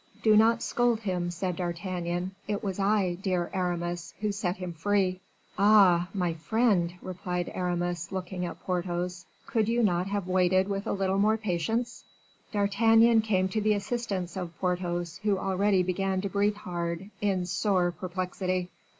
"Do not scold him," said D'Artagnan; "it was I, dear Aramis, who set him free." "Ah! my friend," replied Aramis, looking at Porthos, "could you not have waited with a little more patience?" D'Artagnan came to the assistance of Porthos, who already began to breathe hard, in sore perplexity.